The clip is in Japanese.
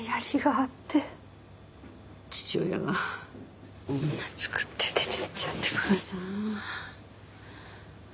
父親が女作って出てっちゃってからさあ。